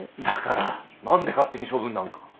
だから何で勝手に処分なんか。